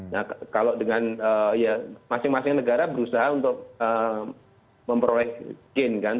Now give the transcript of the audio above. nah kalau dengan ya masing masing negara berusaha untuk memperoleh gain kan